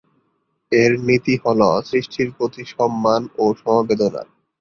এর নীতি হলো "সৃষ্টির প্রতি সম্মান ও সমবেদনা"।